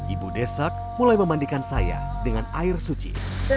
ibu desak mulai memandikan saya dengan air suci